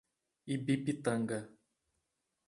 Ibipitanga